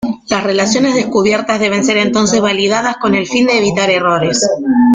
Las relaciones descubiertas deben ser entonces validadas con el fin de evitar errores.